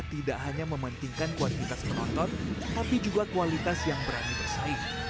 tidak hanya mementingkan kualitas penonton tapi juga kualitas yang berani bersaing